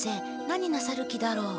何なさる気だろう？